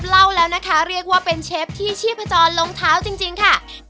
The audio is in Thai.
เอาล่ะแค่เรื่องราวของร้าน